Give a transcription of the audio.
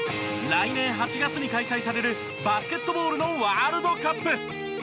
来年８月に開催されるバスケットボールのワールドカップ。